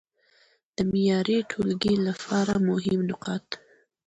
د معياري ټولګي لپاره مهم نقاط: